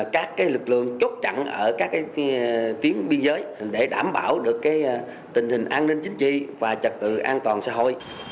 các lực lượng chốt chặn ở các tuyến biên giới để đảm bảo được tình hình an ninh chính trị và trật tự an toàn xã hội